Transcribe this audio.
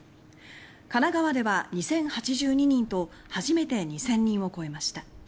神奈川では２０８２人と初めて２０００人を超えました。